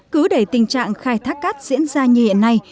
cứ để tình trạng khai thác cát diễn ra như hiện nay